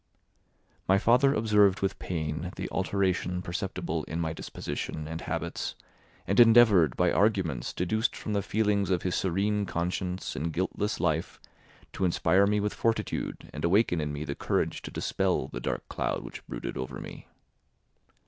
My father observed with pain the alteration perceptible in my disposition and habits and endeavoured by arguments deduced from the feelings of his serene conscience and guiltless life to inspire me with fortitude and awaken in me the courage to dispel the dark cloud which brooded over me.